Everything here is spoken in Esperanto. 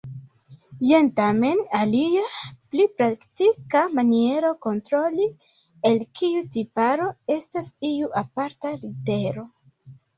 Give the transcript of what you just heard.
Jen tamen alia, pli praktika, maniero kontroli, el kiu tiparo estas iu aparta litero.